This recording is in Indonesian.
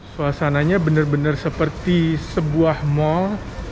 suasananya benar benar seperti sebuah mal